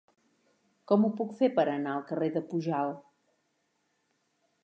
Com ho puc fer per anar al carrer de Pujalt?